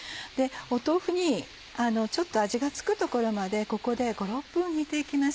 豆腐にちょっと味が付くところまでここで５６分煮て行きます。